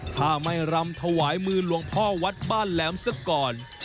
ถ้าไม่รำถวายมือหลวงพ่อวัดบ้านแหลมซะก่อน